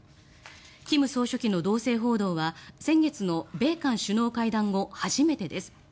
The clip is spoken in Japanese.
金総書記の動静報道は先月の米韓首脳会談後初めてです。